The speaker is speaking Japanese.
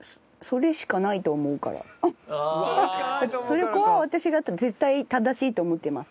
そこは私が絶対正しいと思ってます。